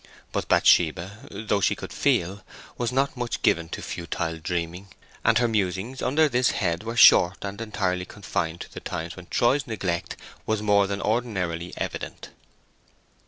But Bathsheba, though she could feel, was not much given to futile dreaming, and her musings under this head were short and entirely confined to the times when Troy's neglect was more than ordinarily evident.